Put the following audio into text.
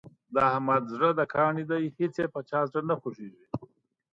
د احمد زړه د کاڼي دی هېڅ یې په چا زړه نه خوږېږي.